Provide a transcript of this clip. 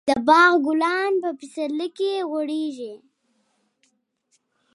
د باغ ګلان په پسرلي کې غوړېږي.